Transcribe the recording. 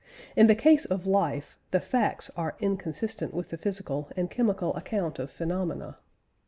In the case of life, the facts are inconsistent with the physical and chemical account of phenomena."